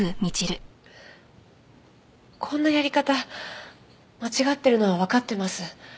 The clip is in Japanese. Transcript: こんなやり方間違ってるのはわかってます。